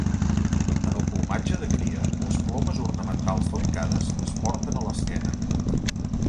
En el plomatge de cria, les plomes ornamentals delicades es porten a l'esquena.